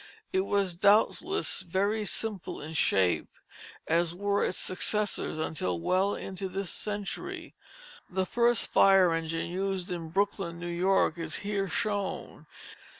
It was doubtless very simple in shape, as were its successors until well into this century. The first fire engine used in Brooklyn, New York, is here shown.